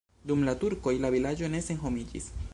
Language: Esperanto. Dum la turkoj la vilaĝo ne senhomiĝis.